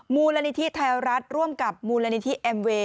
มูลนิธิไทยรัฐร่วมกับมูลนิธิแอมเวย์